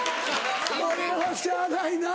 これはしゃあないな。